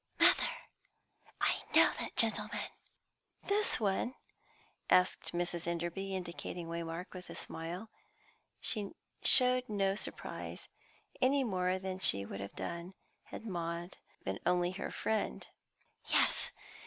"Mother, I know that gentleman." "This one?" asked Mrs. Enderby, indicating Waymark, with a smile. She showed no surprise, any more than she would have done had Maud been only her friend. "Yes.